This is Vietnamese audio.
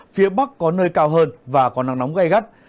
phía bắc có nơi cao hơn và có nắng nóng gai gắt